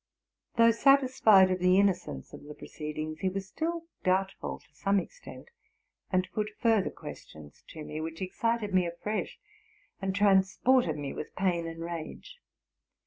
Though satisfied of the innocence of the proceedings, he was still doubtful to some extent, and put further questions to me, which excited me afresh, and transported me with pain and rage.